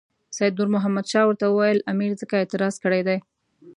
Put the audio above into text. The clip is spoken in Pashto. سید نور محمد شاه ورته وویل امیر ځکه اعتراض کړی دی.